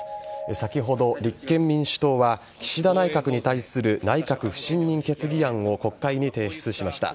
先ほど、立憲民主党は岸田内閣に対する内閣不信任決議案を国会に提出しました。